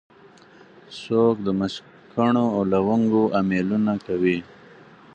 څوک د مشکڼو او لونګو امېلونه کوي